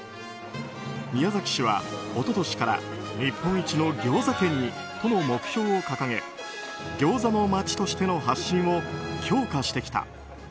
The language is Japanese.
宮崎市は、一昨年から日本一のギョーザ県にとの目標を掲げギョーザの街としての発信を強化してきた。